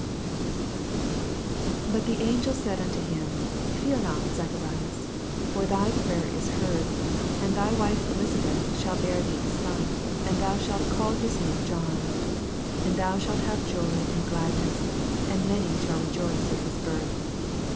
18 But the an^el said unto him, Fear not, Zacharias: for thy prayer Ib heard ; and thy wife EliBabeth Bhall bear thee a son, and thou shalt call hia name John. 14 And thou shalt have joy^ and eladness; and many shall rejoioe at his birth.